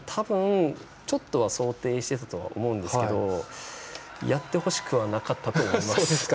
ちょっとは想定していたと思うんですけどやってほしくはなかったと思います。